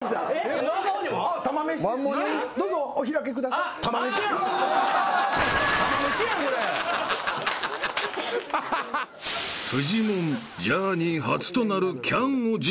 ［フジモンジャーニー初となるキャンを実食］